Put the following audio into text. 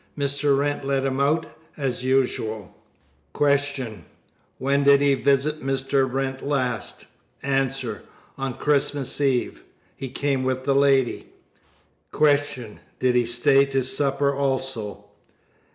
Mr. Wrent let him out, as usual. Q. When did he visit Mr. Wrent last? A. On Christmas Eve. He came with the lady. Q. Did he stay to supper also?